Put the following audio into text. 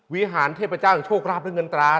วิหารเทพเจ้าแห่งโชคลาภแห่งเงินตา